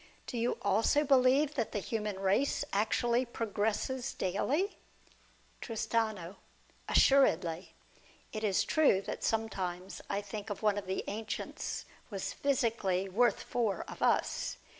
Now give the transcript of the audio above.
Do you also believe that the human race actually progresses daily ? Tristano. Assuredly. It is true that sometimes I think one of the ancients was physically worth four of us.